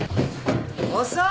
遅い！